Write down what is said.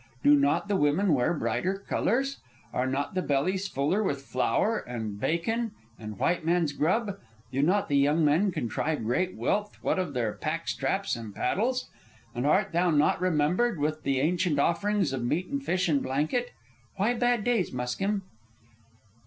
"Do not the women wear brighter colors? Are not the bellies fuller with flour and bacon and white man's grub? Do not the young men contrive great wealth what of their pack straps and paddles? And art thou not remembered with the ancient offerings of meat and fish and blanket? Why bad days, Muskim?"